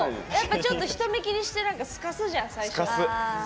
ちょっと、人目気にしてすかすじゃん、最初。